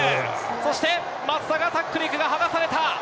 そして、松田がタックルに行くが、剥がされた。